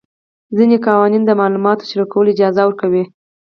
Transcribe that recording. ځینې قوانین د معلوماتو شریکولو اجازه ورکوي.